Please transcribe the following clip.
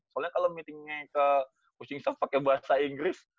soalnya kalau meetingnya ke coaching staff pakai bahasa inggris